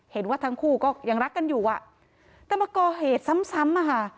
เห็นว่าทั้งคู่ก็ยังรักกันอยู่อ่ะแต่มาก่อเหตุซ้ำซ้ำอะค่ะ